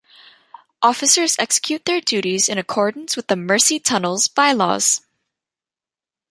Officers execute their duties in accordance with The Mersey Tunnels Bylaws.